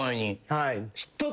はい。